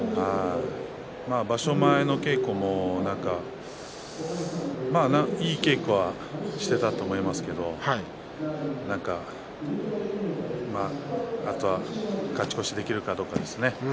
場所前の稽古も、いい稽古はしていたと思いますけれどもあとは勝ち越しができるかどうかですね。